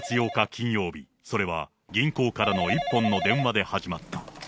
金曜日、それは、銀行からの一本の電話で始まった。